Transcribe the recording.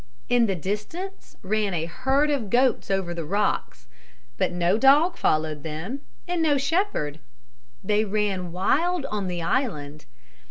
In the distance ran a herd of goats over the rocks. But no dog followed them and no shepherd. They ran wild on the island.